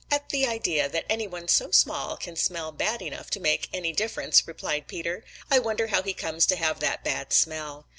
"At the idea that any one so small can smell bad enough to make any difference," replied Peter. "I wonder how he comes to have that bad smell."